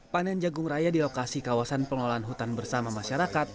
panen jagung raya di lokasi kawasan pengolahan hutan bersama masyarakat